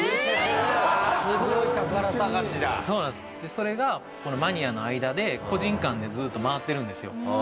それがマニアの間で個人間でずっと回ってるんですよ。